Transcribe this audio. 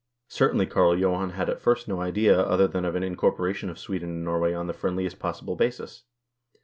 Certainly Carl Johan had at first no idea other than of an incorporation of Sweden and Norway on the friendliest possible basis.